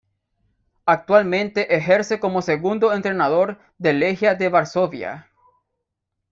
Actualmente ejerce como segundo entrenador del Legia de Varsovia.